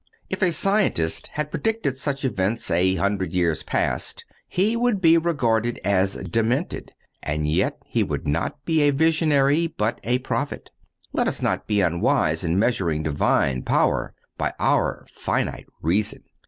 If a scientist had predicted such events, a hundred years past, he would be regarded as demented. And yet he would not be a visionary, but a prophet. Let us not be unwise in measuring Divine power by our finite reason.